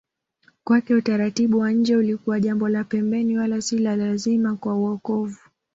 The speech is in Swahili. Kwake utaratibu wa nje ulikuwa jambo la pembeni wala si lazima kwa wokovu